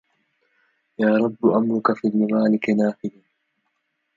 يا رب أمرك في الممالك نافذ